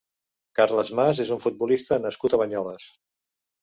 Carles Mas és un futbolista nascut a Banyoles.